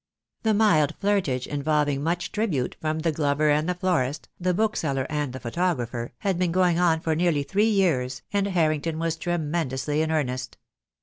The mild "flirtage," involving much tribute from the glover and the florist, the bookseller and the photographer, had been going on for nearly three years, and Harrington was tremendously in earnest.